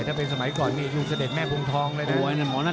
ถ้าเป็นสมัยก่อนนี่อยู่เสด็จแม่พวงทองเลยนะ